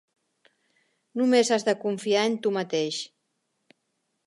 Només has de confiar en tu mateix.